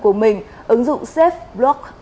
của mình ứng dụng safeblock